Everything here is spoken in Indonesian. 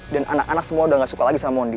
dan anak anak semua udah gak suka lagi sama mondi